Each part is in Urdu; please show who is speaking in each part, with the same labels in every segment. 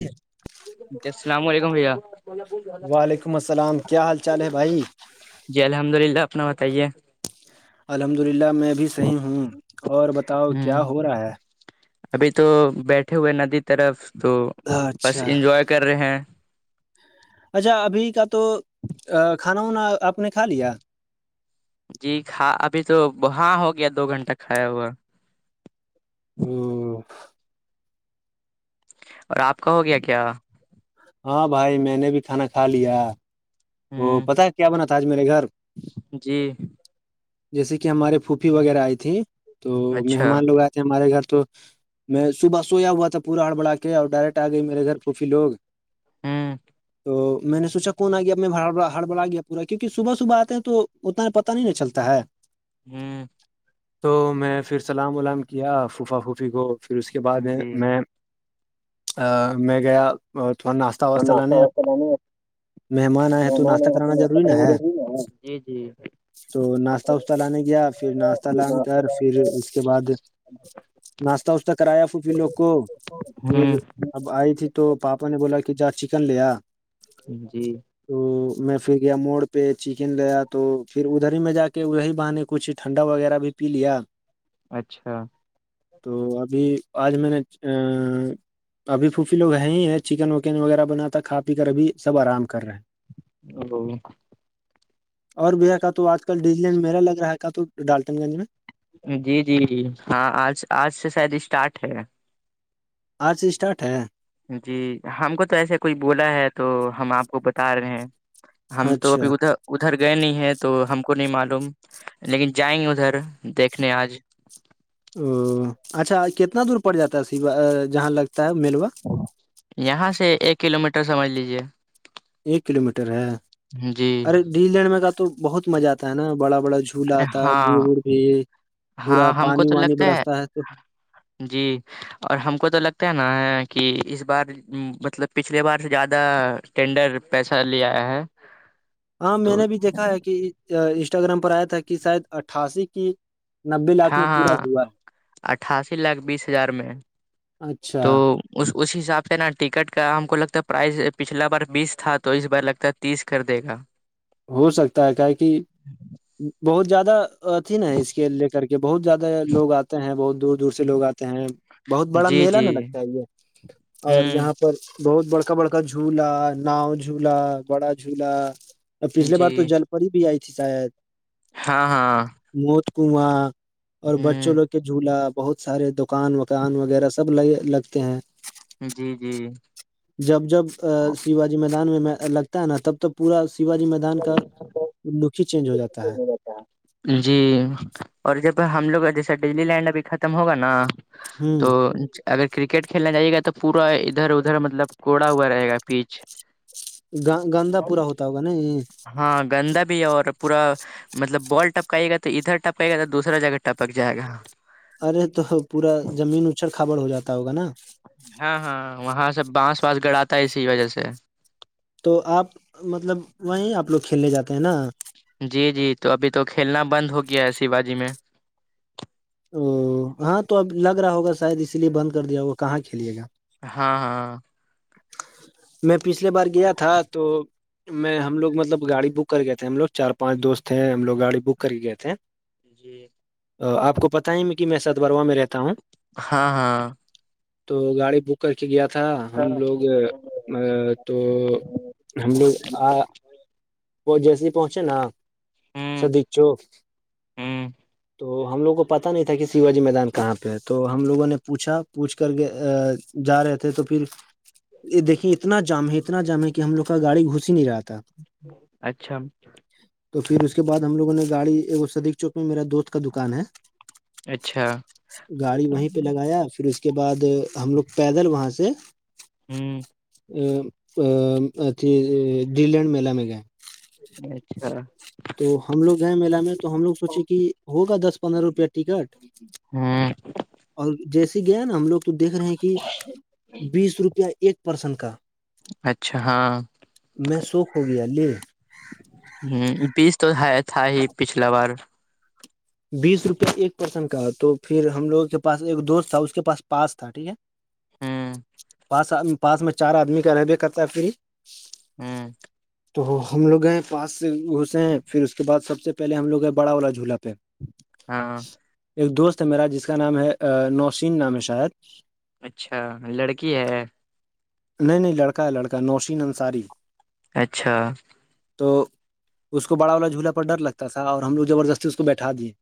Speaker 1: جی
Speaker 2: السلام علیکم بھیا
Speaker 1: [unintelligible] وعلیکم السلام کیا حال چال ہے بھائی
Speaker 2: جی الحمد للہ اپنا بتائیے
Speaker 1: الحمد للہ میں بھی صحیح ہوں اور بتاؤ
Speaker 2: ہ
Speaker 1: کیا ہو رہا ہے
Speaker 2: ابھی تو بیٹھے ہوئے ندی طرف تو بس
Speaker 1: اچھا
Speaker 2: انجوائے کر رہے ہیں
Speaker 1: اچھا ابھی کا تو کھانا وانا آپ نے کھا لیا
Speaker 2: جی کھا ابھی تو وہاں ہو گیا دو گھنٹہ کھایا ہوا
Speaker 1: ھمم [unintelligible]
Speaker 2: اور آپ کا ہو گیا کیا
Speaker 1: ہاں بھائی میں نے بھی کھانا کھا لیا وہ
Speaker 2: ہ
Speaker 1: پتا کیا بنا تھا آج میرے گھر
Speaker 2: جی [inaudible]
Speaker 1: جیسے کہ ہمارے پھوپھی وغیرہ آئی تھی تو
Speaker 2: اچھا
Speaker 1: مہمان لوگ آئے تھے ہمارے گھر تو میں صبح سویا ہوا تھا پورا ہڑ بڑا کے اور ڈائریکٹ آ گئی میرے گھر کوفی لوگ
Speaker 2: ہاں [inaudible]
Speaker 1: تو میں نے سوچا کون آ گیا ہ ہڑبڑا گیا پورا کیونکہ صبح صبح آتے ہیں تو اتنا پتاہ نہیں نہیں چلتا ہے [unintelligible]
Speaker 2: ھمم [unintelligible]
Speaker 1: تو میں پھر سلام ولام کیا پھفا پھوفی کو پھر اس کے بعد
Speaker 2: جی جی
Speaker 1: میں میں گیا تھوا ناس
Speaker 2: ہنا س س نہیں [unintelligible]
Speaker 1: آئے ہیں تو
Speaker 2: مہمان
Speaker 1: ناشتہ کرانا ضروری نا ہے
Speaker 2: جی جی [unintelligible]
Speaker 1: تو ناشتہ وشہ لانے گیا پھر ناشتہ لان
Speaker 2: ہ
Speaker 1: کر پھر اس کے بعد ناشتہ واشہ کرایا پھر پھر لوگ کو پھر اب آئی تھی تو پاپا نے بولا کہ جا چکن لیا
Speaker 2: جی [inaudible]
Speaker 1: تو میں پھر گیا موڑ پہ چکن لیا تو پھر ادھر ہی میں جا کے وہی بہانے کو کچھ ٹھنڈا وغیرہ بھی پی لیا
Speaker 2: اچھا [unintelligible]
Speaker 1: تو ابھی آج میں نے ا [unintelligible] ابھی پھوپی لوگ ہیں ہی ہیں چکن وکن وغیرہ بناتا کھا پی کر ابھی سب آرام کر رہے ہیں
Speaker 2: ا [inaudible]
Speaker 1: اور بھیا کا تو آج کل ڈیز لین میا لگ رہا ہے کا تو ڈالٹن گنج میں
Speaker 2: جی جی جی ہاں آج آج سے شاید اسٹارٹ ہے [unintelligible]
Speaker 1: آج سے اسٹارٹ ہے [unintelligible]
Speaker 2: جی ہم کو تو ایسے کوئی بولا ہے تو ہم آپ کو بتا رہے ہیں ہم تو
Speaker 1: اچھا
Speaker 2: ابھی ادھر ادھر گئے نہیں ہیں تو ہم کو نہیں معلوم لیکن جائیں گے ادھر دیکھنے آج
Speaker 1: او اچھا کتنا دور پڑ جاتا ہے سی جہاں لگتا ہے میلوا
Speaker 2: یہاں سے ایک کلو میٹر سمجھ لیجے
Speaker 1: ایک کلو میٹر ہے
Speaker 2: جی
Speaker 1: ڈیل لڑ میں کا تو بہت مزہ آتا ہے نا بڑا بڑا ج جھولا
Speaker 2: ارے
Speaker 1: آتا ہے
Speaker 2: ہاں
Speaker 1: بھیڑ وڑ بھی پورا
Speaker 2: ہاں ہم کو
Speaker 1: پانی
Speaker 2: تو
Speaker 1: وانی
Speaker 2: لگتا
Speaker 1: برستا ہے تو
Speaker 2: جی اور ہم کو تو لگتا ہے نا کہ اس بار مطلب پچھلے بار سے زیادہ ٹینڈر پیسہ لیا ہے
Speaker 1: ہاں میں
Speaker 2: تو
Speaker 1: نے بھی دیکھا ہے کہ انسٹاگرام پر آیا تھا کہ شاید اٹھاسی کی نبے لاکھ
Speaker 2: ہاں
Speaker 1: میں
Speaker 2: ہاں
Speaker 1: پورا ہوا
Speaker 2: اٹھاسی لاکھ بیس ہزار میں
Speaker 1: اچھا
Speaker 2: تو اس اس حساب سے نا ٹکٹ کا ہم کو لگتا ہے پرائز پچھلا بار بیس تھا تو اس بار لگتا تیس کر دے گا
Speaker 1: ہو سکتا ہے کا کہ بہت زیادہ اتیھی نا اس کے لے کر کے بہت زیادہ لوگ آتے ہیں بہت دور دور سے لوگ آتے ہیں بہت بڑا
Speaker 2: جی
Speaker 1: میلہ
Speaker 2: جی
Speaker 1: نہ لگتا ہے یہ اور یہاں
Speaker 2: ہوں
Speaker 1: بہت بڑکا بڑکا جھولا ناؤ جھولا بڑا جھولا ا پچھلے
Speaker 2: جی
Speaker 1: بار تو جل پور ہی بھی آئی تھی شاید
Speaker 2: ہاں ہاں
Speaker 1: موت کنواں اور بچوں
Speaker 2: ہوں
Speaker 1: لوگ کے جھولا بہت سارے دکان وکان وغیرہ س ل لگتے ہیں
Speaker 2: جی جی
Speaker 1: جب جب سیوائے میدان میں لگتا ہے نا تب تو پورا شیوجی میدان کا لک ہی چینج ہو جاتا ہے
Speaker 2: جی اور جب ہم لوگ جیسے ڈلی لینڈ ابھی ختم ہوگا نا
Speaker 1: ہ
Speaker 2: تو اگر کرکٹ کھیلنا جائیے گا تو پورا ادھر ادھر مطلب کوڑا ہوا رہے گا پیچ
Speaker 1: گ گندا پورا ہوتا ہوگا نا یہ
Speaker 2: ہاں گندا بھی ہے اور پورا مطلب بال ٹپکائیے گا تو ادھر ٹپکائے گا تو دوسرا جگہ ٹپک جائے گا
Speaker 1: ارے تو پورا زمین اچھڑ کھابڑ ہو جاتا ہوگا نا
Speaker 2: ہاں ہاں وہاں سب بانس واس گڑاتا ہے اسی وجہ سے
Speaker 1: تو آپ مطلب وہیں آپ لوگ کھیلنے جاتے ہیں نا
Speaker 2: جی جی تو ابھی تو کھیلنا بند ہو گیا شیواجی میں
Speaker 1: او ہاں تو اب لگ رہا ہوگا شاید اسی لیے بند کر دیا ہوگا کہاں کھیلیے گا
Speaker 2: ہاں ہاں
Speaker 1: میں پچھلے بار گیا تھا تو میں ہم لوگ مطلب گاڑی بک کر گئے تھے ہم لوگ چار پانچ دوست ہیں ہم لوگ گاڑی بک کر گئے تھے
Speaker 2: جی
Speaker 1: آپ کو پتہ ہی کہ میں ست بروا میں رہتا ہوں
Speaker 2: ہاں ہاں
Speaker 1: تو گاڑی بک کر کے گیا تھا ہم لوگ تو ہم لوگ آ وہ جیسے پہنچے نا سدیچو
Speaker 2: ہاں
Speaker 1: تو ہم لوگوں کو پتا نہیں تھا کہ شیواجی میدان کہاں پہ ہے تو ہم لوگوں نے پوچھا پوچھ کر جا رہے تھے تو پھر
Speaker 2: [inaudible]
Speaker 1: یہ دیکھیے اتنا جام ہے اتنا جام ہے کہ ہم لوگ کا گاڑی گھس ہی نہیں رہا تھا
Speaker 2: اچھا
Speaker 1: تو پھر اس کے بعد ہم لوگوں نے گاڑی ایک سدیک چوک میں میرا دوست کا دکان ہے
Speaker 2: اچھا
Speaker 1: گاڑی وہیں پہ لگایا پھر اس کے بعد ہم لوگ پیدل وہاں سے
Speaker 2: ہوں
Speaker 1: اھی ڈ لینڈ میلہ میں گئے
Speaker 2: اچھا
Speaker 1: تو ہم لگ گئے میلا میں تو ہم لوگ سوچے کہ ہوگا دس پندرہ روپئے ٹکٹ
Speaker 2: ہوں
Speaker 1: اور جیسی گیا نا ہم لوگ دیکھ رہے ہیں کہ بیس روپیہ ایک پرسن کا
Speaker 2: اچھا ہاں
Speaker 1: میں شوک ہو گیا لے
Speaker 2: ہ بیس تو ہے تھا ہی پیچھلا بار
Speaker 1: بیس روپئے ایک پرسن کا تو پھر ہم لوگوں کے پاس ایک دوست تھا اس کے پاس پاس تھا ٹھیک ہے
Speaker 2: ہاں
Speaker 1: پاس پاس میں چار آدمی کا رہبے کرتا ہے فری
Speaker 2: ہاں
Speaker 1: تو ہم لوگ گئے پاس سے گھسے ہیں پھر اس کے بعد سب سے پہلے ہم لوگ گئے بڑا والا جھولا پہ [inaudible]
Speaker 2: ہاں
Speaker 1: ایک دوست ہے میرا جس کا نام ہے نوشین نام ہے شاید
Speaker 2: اچھا لڑکی ہے
Speaker 1: نہیں نہیں لڑکا ہے لڑکا نوشین انصاری
Speaker 2: اچھا
Speaker 1: تو اس کو بڑا والا جھولا پر ڈر لگتا تھا اور ہم لوگ زبردستی اس کو بیٹھا دیے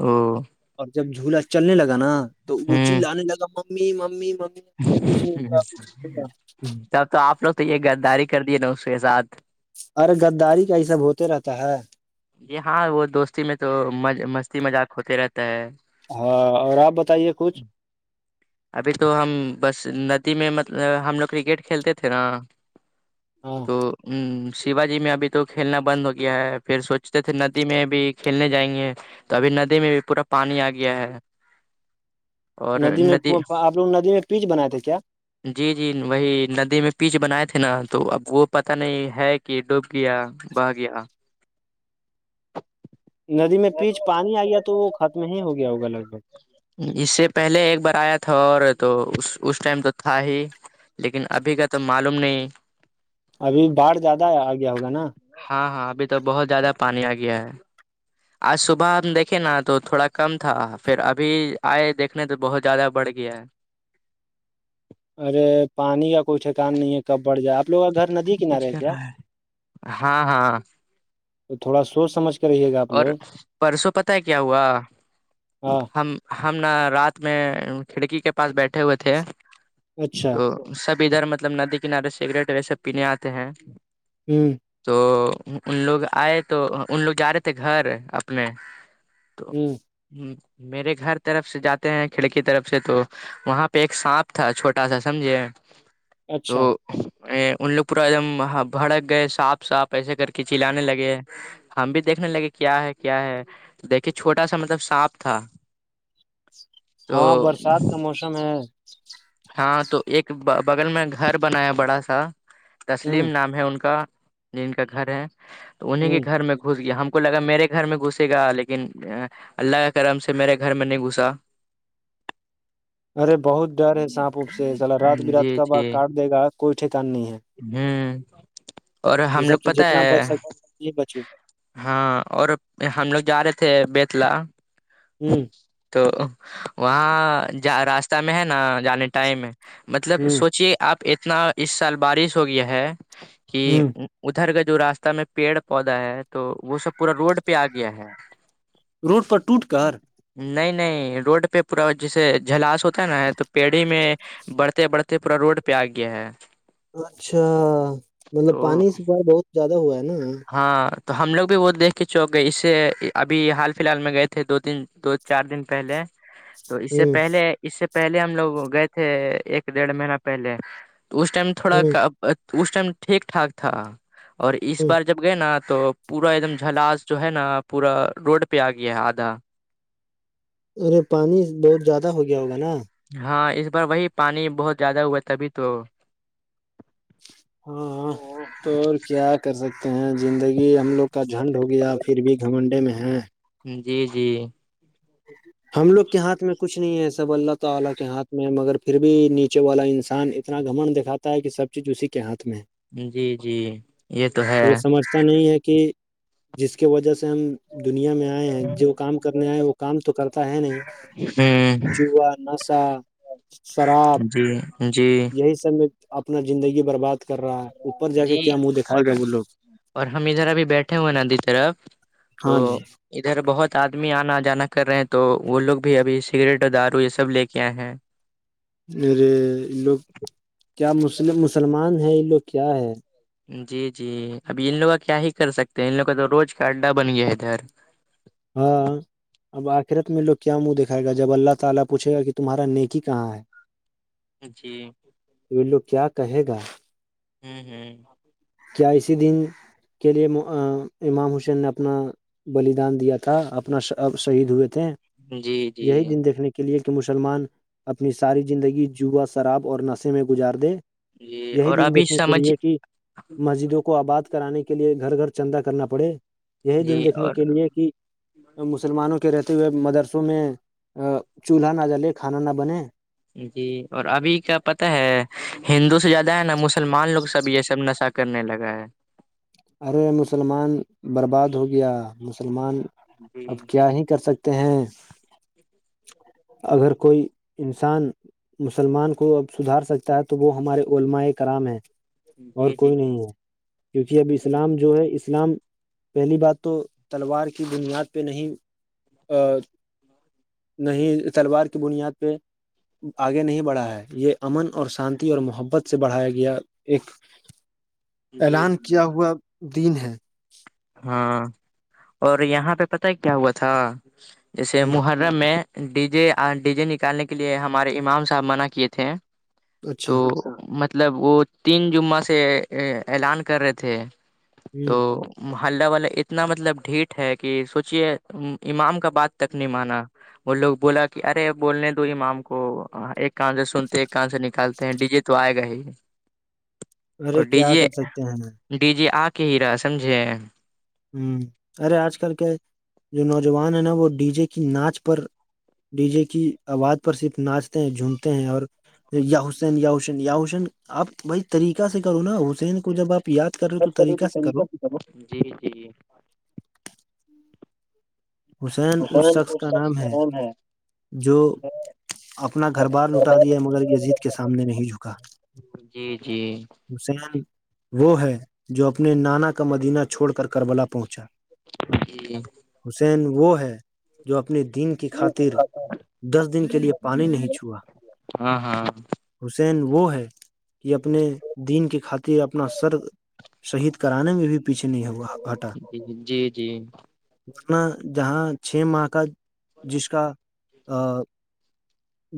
Speaker 2: او
Speaker 1: اور جب جھولا چلنے لگا نا تو وہ چیز
Speaker 2: ہوں
Speaker 1: لانے لگا ممی ممی ممی پے کچھ نہیں ہوگا کچھ نہیں ہوگا
Speaker 2: تب تو آپ لوگ تو یہ غداری کر دیے نا اس کے ساتھ
Speaker 1: ارے گداری کا یہ سب ہوتے رہتا ہے
Speaker 2: جی ہاں وہ دوستی میں تو مستی مذاق ہوتے رہتا ہے
Speaker 1: ہاں اور آپ بتائیے کچھ
Speaker 2: ابھی تو ہم بس ندی میں مطلب ہم لوگ کرکٹ کھیلتے تھے نا
Speaker 1: ہاں
Speaker 2: تو ہ شیوا جی میں ابھی تو کھیلنا بند ہو گیا ہے پھر سوچتے تھے ندی میں بھی کھیلنے جائیں گے تو ابھی ندی میں بھی پورا پانی آ گیا ہے
Speaker 1: ندی میں آپ لوگ ندی میں پیچ بنائے تھے کیا
Speaker 2: جی جی وہی ندی میں پیچ بنائے تھے نا تو اب وہ پت نہیں ہے کہ ڈوب گیا بہ گیا
Speaker 1: ندی میں پیچ پانی آ گیا تو وہ ختم ہی ہو گیا ہوگا لگ بھگ
Speaker 2: اس سے پہلے ایک بار آیا تھا اور تو اس اس ٹائم تو تھا ہی لیکن ابھی کا تو معلوم نہیں
Speaker 1: ابھی باڑ زیادہ آگیا ہوگا نا
Speaker 2: ہاں ہاں ابھی تو بہت زیادہ پانی آ گیا ہے آج صبح ہم دیکھیں نا تو تھوڑا کم تھا پھر ابھی آئے دیکھ دنے تو بہت زیادہ بڑھ گیا ہے
Speaker 1: ارے پانی کا کوئی ٹھکان نہیں ہے کب بڑھ جائے آپ لوگ کا گھر ندی
Speaker 2: بیچ
Speaker 1: کنارے ہے
Speaker 2: کر
Speaker 1: کیا
Speaker 2: رہا ہے ہاں ہاں
Speaker 1: تو تھوڑا سوچ سمج
Speaker 2: اور پرسوں پتہ کیا ہوا
Speaker 1: ہاں
Speaker 2: ہم ہم نا رات میں کھڑکی کے پاس بیٹھے ہوئے تھے
Speaker 1: اچھا
Speaker 2: تو سب ادھر مطلب ندی کنارے سگریٹ و سب پینے آتے ہیں
Speaker 1: [unintelligible]
Speaker 2: تو ان لوگ آئے تو ان لوگ جا رہے تھے گھر اپنے تو
Speaker 1: ہوں
Speaker 2: میرے گھر طرف سے جاتے ہیں کھڑکی طرف سے تو وہاں پہ ایک سانپ تھا چھوٹا سا سمجھے
Speaker 1: اچھا
Speaker 2: ا ان لوگ پورا ایک دم بھڑک گئے صاف صاف ایسے کر کے چلانے لگے ہیں ہم بھی دیکھنے لگے کیا ہے کیا ہے دیکھیے چھوٹا سا مطلب سانپ تھا تو
Speaker 1: ہاں برسات کا موسم ہے
Speaker 2: ہاں تو ایک بغل میں گھر بنایا بڑا سا تسلیم
Speaker 1: ہوں
Speaker 2: نام ہے ان کا جن کا گھر ہے تو انہیں کے
Speaker 1: ہوں
Speaker 2: گھر میں گھس گیا ہم کو لگا میرے گھر میں گھسے گا لیکن اللہ کرم سے میرے گھر میں نہیں گھسا
Speaker 1: ارے بہت ڈر ہے سانپ اونپ سے چلا رات ب رات
Speaker 2: جی
Speaker 1: کا باغ
Speaker 2: جی
Speaker 1: کاٹ دے گا کوئی ٹھکان نہیں ہے [unintelligible]
Speaker 2: ہوں اور
Speaker 1: یہ
Speaker 2: ہم لوگ
Speaker 1: سب سے
Speaker 2: پتہ
Speaker 1: جتنا
Speaker 2: ہے
Speaker 1: بچ سکتے ہیں، یہ بچو
Speaker 2: [unintelligible] ہاں اور ہم لوگ جا رہے تھے بیتلا
Speaker 1: ہ [unintelligible]
Speaker 2: تو وہاں ج راستہ میں ہے نا جانے ٹائم میں مطلب
Speaker 1: ہوں
Speaker 2: سوچیے آپ اتنا اس سال بارش ہو گیا ہے کہ
Speaker 1: ہوں
Speaker 2: ادھر کا جو راستہ میں پیڑ پودا ہے تو وہ سب پورا روڈ پہ آ گیا ہے
Speaker 1: روڈ پر ٹوٹ کر
Speaker 2: نہیں نہیں روڈ پہ پورا جیسے جلاس ہوتا ہے نا تو پیڑھی میں بڑھتے بڑھتے پورا روڈ پہ آ گیا ہے
Speaker 1: اچھا مطلب
Speaker 2: تو
Speaker 1: پانی سے ب بہت زیادہ ہوا ہے نا [unintelligible]
Speaker 2: ہاں تو ہم لوگ بھی وہ دیکھ کے چوک گئے اس سے ابھی حال فی الحال میں گئے تھے دو تین دو چار دن پہلے تو اس سے
Speaker 1: ہوں
Speaker 2: پہلے اس سے پہلے ہم لوگ گئے تھے ایک ڈیڑھ مہینہ پہلے تو اس ٹائم تھوڑا
Speaker 1: ہوں
Speaker 2: اس ٹائم ٹھیک ٹھاک تھا اور اس
Speaker 1: ہ
Speaker 2: بار جب گئے نا تو پورا ایک دم جھلاس جو ہے نا پورا روڈ پہ آ گیا ہے آدھا
Speaker 1: ارے پانی بہت زیادہ ہو گیا ہوگا نا
Speaker 2: ہاں اس بار وہی پانی بہت زیادہ ہوا ہے تبھی تو
Speaker 1: ہاں ہ [unintelligible] تو کیا کر سکتے ہیں زندگی ہم لوگ کا جھنڈ ہو گیا پھر بھی گھمنڈے میں ہے
Speaker 2: جی جی [inaudible]
Speaker 1: [unintelligible] تا ہے کہ سب چیز اسی کے ہاتھ میں ہے
Speaker 2: جی جی یہ تو ہے
Speaker 1: ایسا نہیں ہے کہ جس کی وجہ سے ہم دنیا میں آئے ہیں جو کام کرنے آئے وہ کام تو کرتا ہے نہیں
Speaker 2: ہ
Speaker 1: جوا نش شراب
Speaker 2: جی جی
Speaker 1: یہ [unintelligible] یہ سب میں اپنا زندگی برباد کر رہا ہے اوپر جا کے
Speaker 2: جی
Speaker 1: کیا منہ
Speaker 2: اور
Speaker 1: دکھائے گا وہ لوگ
Speaker 2: اور ہم ادھر ابھی بیٹھے ہوئے ندی طرف
Speaker 1: ہاں
Speaker 2: تو
Speaker 1: جی
Speaker 2: ادھر بہت آدمی آنا جانا کر رہے ہیں تو وہ لوگ بھی ابھی سگریٹ اور دارو یہ سب لے کے آئے ہیں
Speaker 1: مرے یہ لوگ کیاس مسلمان ہے یہ لوگ کیا ہے [unintelligible]
Speaker 2: جی جی ابھی ان لوگ کا کیا ہی کر سکتے ہیں ان لوگوں کا تو روز کا اڈا بن گیا ہے ادھر
Speaker 1: ہاں اب آخرت م میںیر لو کیا منہ دکھائے گا جب اللہ تالی پوچھ گا کہ تمہارا نیکی کہاں ہے [unintelligible]
Speaker 2: جی
Speaker 1: ولو کیا کہے گا [unintelligible]
Speaker 2: ہوں ہوں [unintelligible]
Speaker 1: کیا اسی دن کے لیے امام حسین نے اپنا بلیدان دیا تھا تھا اپنا شہید ہوئے تھے
Speaker 2: جی جی
Speaker 1: یہی دن دیکھنے کے کے لیے کہ مسلمان اپنی ساری زندگی جوا شراب اور نشے میں گزار دے
Speaker 2: جی
Speaker 1: یہی
Speaker 2: اور
Speaker 1: دن
Speaker 2: ابھی
Speaker 1: دیکھنے کے
Speaker 2: سمجھ
Speaker 1: لیے کہ مسجدوں کو آباد کرانے کے لیے گھر گھر چندا کرنا پڑے یہی دن
Speaker 2: جی
Speaker 1: دیکھنے
Speaker 2: اور
Speaker 1: کے لیے کہ مسلمانوں کے رہتے ہوئے مدرسوں میں چولہا نہ ڈلے کھانا نہ بنے
Speaker 2: جی اور ابھی کیا پتاہ ہے ہندو سے زیادہ ہے نا مسلمان لوگ سب یہ سب نشہ کرنے لگا ہے
Speaker 1: ارے مسلمان برباد ہو گیا مسلمان اب
Speaker 2: جی
Speaker 1: کیا ہی کر سکتے ہیں اگر کوئی انسان مسلمان کو اب سدھار سکتا ہے تو وہ ہمارے علمائےء کرام ہے اور
Speaker 2: جی جی
Speaker 1: کوئی نہیں ہے جی اب اسلام جو ہے اسلام پہلی بات تو تلوار کی بنیاد پہ نہیں نہیں تلوار کی بنیاد پہ آگے نہیں بڑھا ہے یہ امن اور شانتی اور محبت سے بڑھایا گیا ایک
Speaker 2: [inaudible] جی جی
Speaker 1: اعلان کیا ہوا دن ہے
Speaker 2: ہاں اور یہاں پہ پتا ہی کیا ہوا تھا جیسے
Speaker 1: ہ
Speaker 2: مہ ارا میں ڈی جے ڈی جے نکالنے کے لیے ہمارے امام صاحب منع کیے تھے
Speaker 1: اچھا
Speaker 2: تو مطلب وہ تین جمعہ سے اعلان کر رہے تھے
Speaker 1: ہ
Speaker 2: تو ہللہ ولہ اتنا مطلب ڈھیٹ ہے کہ سوچیے امام کا بات تک نہیں مانا وہ لوگ بولا کہ ارے بولنے دو امام کو ایک کان سے سنتے ایک کان سے نکالتے ہیں ڈیجی تو آئے گا ہی اور
Speaker 1: ارے
Speaker 2: ڈی
Speaker 1: کیا
Speaker 2: جی
Speaker 1: کر سکتے ہیں
Speaker 2: ڈی جے آ کے ہی رہا سمجھے
Speaker 1: ہوں ارے آج کل کے جو نوجوان ہے نا وہ ڈی جے کی ناچ پر ڈی جے کی آواز پر صرف ناچتے ہیں جھومتے ہیں اور یاح حسین یا حسین یاحسین آپ بھائی طریقہ سے کرو نا حسین کو جب آپ یاد رہے ہو
Speaker 2: کر تو
Speaker 1: سے کرو
Speaker 2: طریقہ جی جی
Speaker 1: حسین اس شخص کا نام ہے جو اپنا گھر بار لٹا دیا مگر یہ ضد کے سامنے نہیں جھکا
Speaker 2: جی جی
Speaker 1: حسین وہ ہے جو اپنے نانا کا مدینہ چھوڑ کر کربلا پہنچا
Speaker 2: جی
Speaker 1: حسین وہ ہے جو اپنے دین کی خاطر دس دن کے لئے پانی نہیں چھوا
Speaker 2: ہاں ہاں
Speaker 1: حسین وہ ہے کہ اپنے دین کے خاطر اپنا سر شہید کرانے میں بھی پیچھے نہیں ہوا ہٹا
Speaker 2: ج جی جی
Speaker 1: اتنا جہاں چھ ماہ کا جس کا ا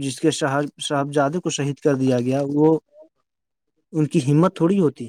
Speaker 1: جس کے شہر صاحب جادو کو شہید کر دیا گیا وہ ان کی ہمت تھوڑی ہوتی